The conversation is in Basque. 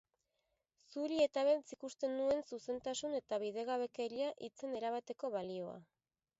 Zuri eta beltz ikusten nuen zuzentasun eta bidegabekeria hitzen erabateko balioa.